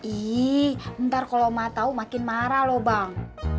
ih ntar kalo ma tau makin marah lo bang